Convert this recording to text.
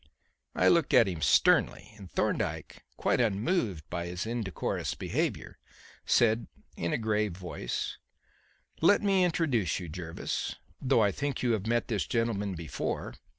I looked at him sternly, and Thorndyke, quite unmoved by his indecorous behaviour, said in a grave voice: "Let me introduce you, Jervis; though I think you have met this gentleman before."